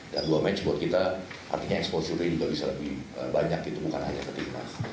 dan dua match buat kita artinya eksplosinya juga bisa lebih banyak bukan hanya ke timnas